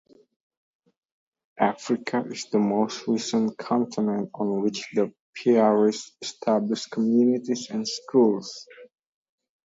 Africa is the most recent continent on which the Piarists established communities and schools.